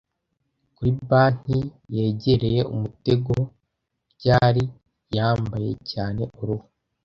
Kuri banki yegereye umutego r, yari yambaye cyane uruhu,